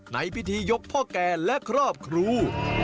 ในพิธียกพ่อแก่และครอบครู